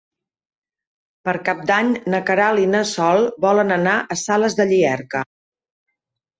Per Cap d'Any na Queralt i na Sol volen anar a Sales de Llierca.